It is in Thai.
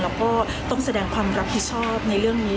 แล้วก็ต้องแสดงความรับผิดชอบในเรื่องนี้